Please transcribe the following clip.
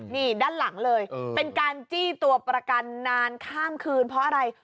นี่ด้านหลังเลยเป็นการจี้ตัวประกันนานข้ามคืนเพราะอะไร